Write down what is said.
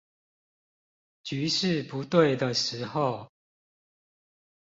局勢不對的時候